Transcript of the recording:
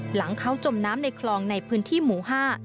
หลังเขาจมน้ำในคลองในพื้นที่หมู่ห้า